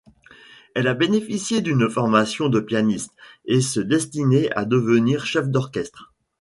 Elle a bénéficié d'une formation de pianiste, et se destinait à devenir chef d'orchestre.